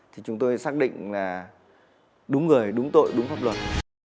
thì chúng tôi xác định là đúng người đúng tội đúng pháp luật